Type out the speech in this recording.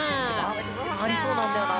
ありそうなんだよな。